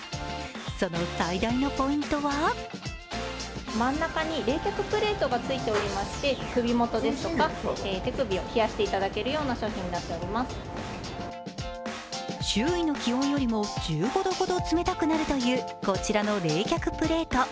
その最大のポイントは周囲の気温よりも１５度ほど冷たくなるという、こちらの冷却プレート。